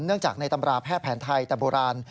จากในตำราแพทย์แผนไทยแต่โบราณ